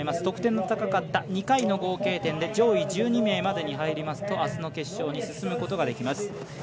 得点の高かった２回の合計点で上位１２名までに入りますとあすの決勝に進むことができます。